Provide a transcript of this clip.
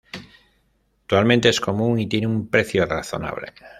Actualmente es común y tiene un precio razonable.